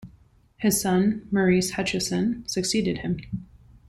His son, Maurice Hutcheson, succeeded him.